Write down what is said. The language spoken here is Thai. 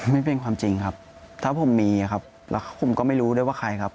ไม่เป็นความจริงครับถ้าผมมีครับแล้วผมก็ไม่รู้ด้วยว่าใครครับ